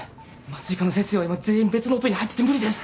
麻酔科の先生は今全員別のオペに入ってて無理です。